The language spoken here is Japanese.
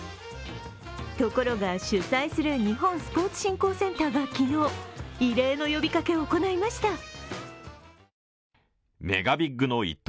ところが主催する日本スポーツ振興会は昨日、異例の呼びかけを行いました。